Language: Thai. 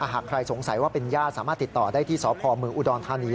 หากใครสงสัยว่าเป็นญาติสามารถติดต่อได้ที่สพเมืองอุดรธานี